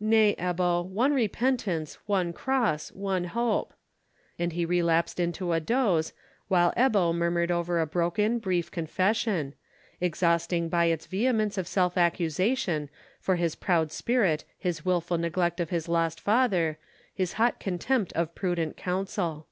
"Nay, Ebbo; one repentance, one cross, one hope," and he relapsed into a doze, while Ebbo murmured over a broken, brief confession—exhausting by its vehemence of self accusation for his proud spirit, his wilful neglect of his lost father, his hot contempt of prudent counsel.